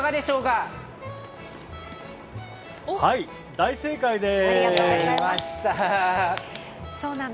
はい、大正解です。